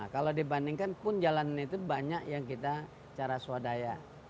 kalau dibandingkan pun jalan itu banyak yang kita cara swadaya